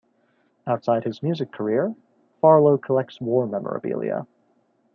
Outside his music career, Farlowe collects war memorabilia.